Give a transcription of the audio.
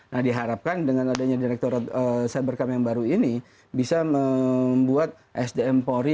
nah diharapkan dengan adanya direkturat cybercam yang baru ini bisa membuat sdm polri